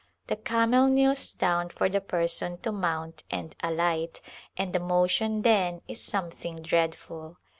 The camel kneels down for the person to mount and alight, and the motion then is something dreadful.